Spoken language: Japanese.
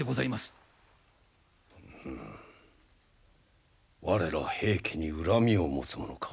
うむ我ら平家に恨みを持つ者か。